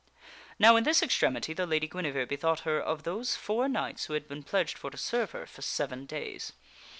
Now in this extremity the Lady Guinevere bethought her of those four knights who had been pledged for to serve her for seven days.